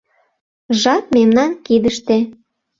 — Жап мемнан кидыште...